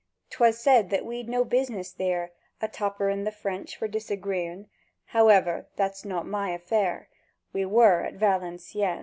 'Twas said that we'd no business there A topperèn the French for disagreën; However, that's not my affair— We were at Valencieën.